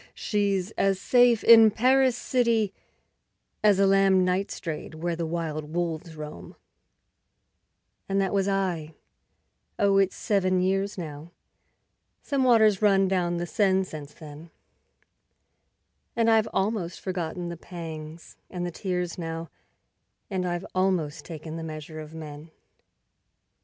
She's as safe in Paris city As a lamb night strayed where the wild wolves roam; And that was I; oh, it's seven years now (Some water's run down the Seine since then), And I've almost forgotten the pangs and the tears now, And I've almost taken the measure of men.